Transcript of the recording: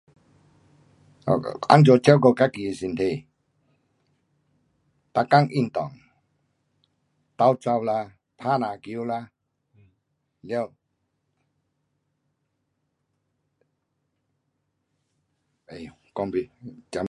um um 怎样照顾自己的身体，每天运动，斗跑啦，打篮球啦，了，没，讲不，讲